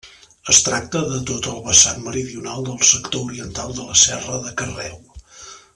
Es tracta de tot el vessant meridional del sector oriental de la Serra de Carreu.